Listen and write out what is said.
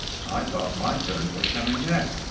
I thought my turn was coming next.